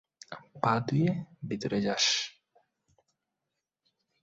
পা ধুয়ে ভিতরে যাস।